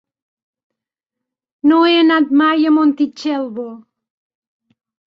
No he anat mai a Montitxelvo.